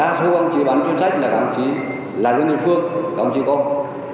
đa số công chí bán chuyên trách là công chí là gương nhân phương công chí công